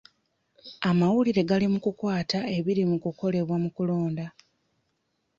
Amawulire gali mu kukwata ebiri mu kukolebwa mu kulonda.